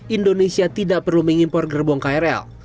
indonesia tidak perlu mengimpor gerbong krl